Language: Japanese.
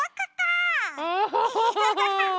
アハハハ！